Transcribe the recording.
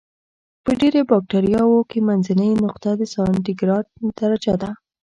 په ډېری بکټریاوو کې منځنۍ نقطه د سانتي ګراد درجه ده.